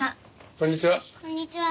こんにちは。